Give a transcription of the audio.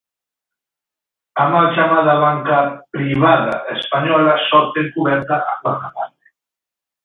A mal chamada banca "privada" española só ten cuberta a cuarta parte.